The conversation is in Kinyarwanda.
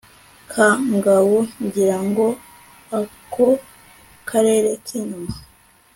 ka ngabo, ngirango ako karere k'inyuma